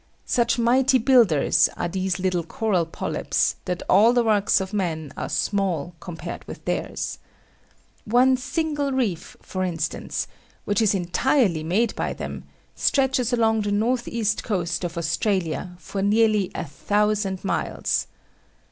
Such mighty builders are these little coral polypes, that all the works of men are small compared with theirs. One single reef, for instance, which is entirely made by them, stretches along the north east coast of Australia for nearly a thousand miles.